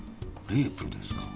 レイプですか？